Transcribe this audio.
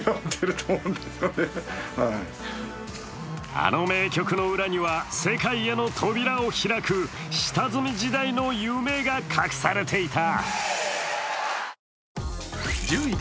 あの名曲の裏には世界への扉を開く下積み時代の夢が隠されていた。